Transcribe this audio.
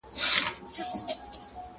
د غرو لمنو کي اغزیو پیرې وکرلې!.